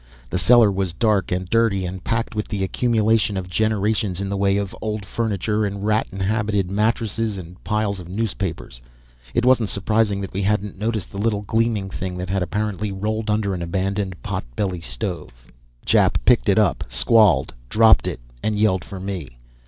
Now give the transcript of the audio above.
The cellar was dark and dirty, and packed with the accumulation of generations in the way of old furniture and rat inhabited mattresses and piles of newspapers; it wasn't surprising that we hadn't noticed the little gleaming thing that had apparently rolled under an abandoned potbelly stove. Jap picked it up, squalled, dropped it and yelled for me.